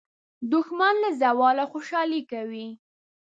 دښمن له زواله خوشالي کوي